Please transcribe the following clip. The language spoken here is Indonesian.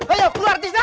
ayo keluar tisna